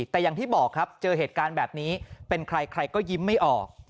แต่อย่างที่บอกครับเจอเหตุการณ์แบบนี้เป็นใครใครก็ยิ้มไม่ออก